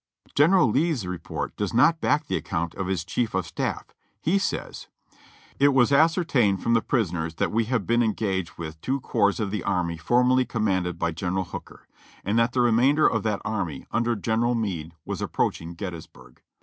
General Lee's report does not back the account of his chief of staff; he says: ■'It was ascertained from the prisoners that we had been en gaged with two corps of the army formerly commanded by Gen eral Hooker, and that the remainder of that army, under General Meade, was approaching Gettysburg.